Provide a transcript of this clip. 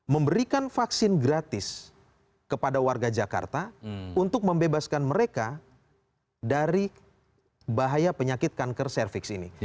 memberikan vaksin gratis kepada warga jakarta untuk membebaskan mereka dari bahaya penyakit kanker cervix ini